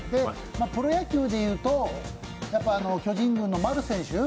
プロ野球でいうと巨人軍の丸選手